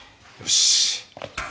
よし。